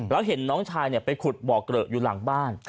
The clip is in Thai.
แล้วเห็นน้องชายไปขุดบ่อเกลอะอยู่หลังบ้าน